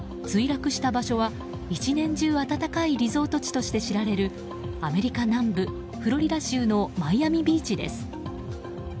墜落した場所は、１年中暖かいリゾート地として知られるアメリカ南部フロリダ州のマイアミビーチです。